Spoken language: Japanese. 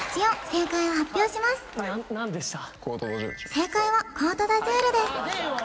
正解はコート・ダジュールですああ